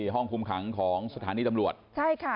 ห้องคุมขังของสถานีตำรวจใช่ค่ะ